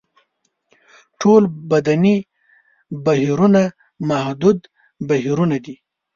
ټول بدني بهیرونه محدود بهیرونه دي.